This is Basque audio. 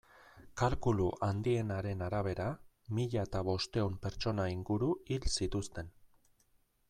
Kalkulu handienaren arabera, mila eta bostehun pertsona inguru hil zituzten.